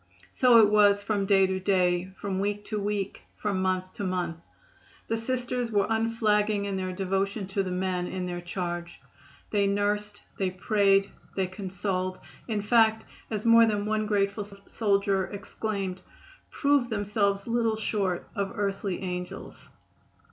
So it was from day to day, from week to week, from month to month. The Sisters were unflagging in their devotion to the men in their charge. They nursed, they prayed, they consoled, in fact, as more than one grateful soldier exclaimed, proved themselves little short of earthly angels.